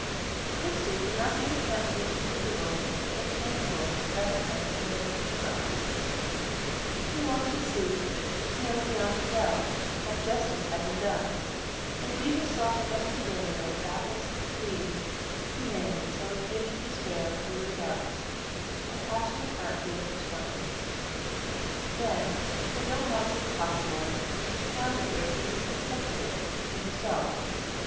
Christie could not be content with this invisible, intangible recompense for her hero: she wanted to see, to know beyond a doubt, that justice had been done; and beat herself against the barrier that baffles bereaved humanity till impatient despair was wearied out, and passionate heart gave up the struggle. Then, when no help seemed possible, she found it where she least expected it, in herself.